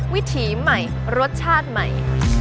วิถีใหม่รสชาติใหม่